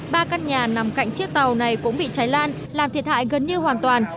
ba căn nhà nằm cạnh chiếc tàu này cũng bị cháy lan làm thiệt hại gần như hoàn toàn